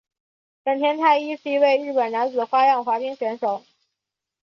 本田太一是一位日本男子花样滑冰选手。